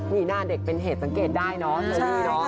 นี่หน้าเด็กเป็นเหตุสังเกตได้เนอะ